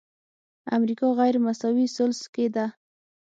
امریکا غیرمساوي ثلث کې ده.